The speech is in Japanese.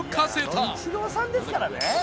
あのイチローさんですからね？